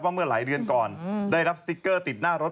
เมื่อหลายเดือนก่อนได้รับสติ๊กเกอร์ติดหน้ารถ